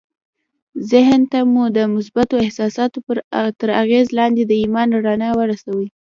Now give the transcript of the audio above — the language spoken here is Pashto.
ذهن ته مو د مثبتو احساساتو تر اغېز لاندې د ايمان رڼا ورسوئ.